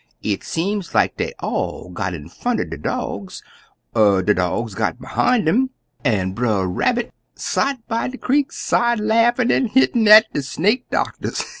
It seem like dey all got in front er de dogs, er de dogs got behime um, an' Brer Rabbit sot by de creek side laughin' an' hittin' at de snake doctors.